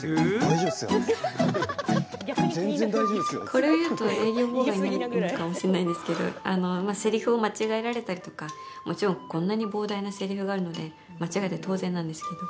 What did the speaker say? これを言うと営業妨害になるのかもしれないんですけどせりふを間違えられたりとかもちろん、こんなに膨大なせりふがあるので間違えて当然なんですけど。